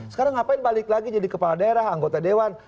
sekarang ngapain balik lagi jadi kepala daerah anggota dewan